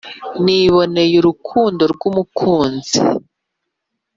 Niboney' urukundo rw'Umukiza,